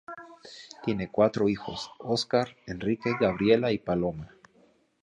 Tiene cuatro hijos: Óscar, Enrique, Gabriela y Paloma.